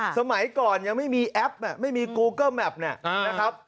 สมัยก่อนยังไม่มีแอปไม่มีกูเกิลแมพนะครับ